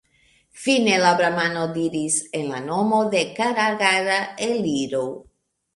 Fine la bramano diris: « En la nomo de Karagara, eliru!